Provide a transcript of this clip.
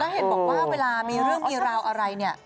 เห็นบอกว่าเวลามีเรื่องมีราวอะไรเนี่ย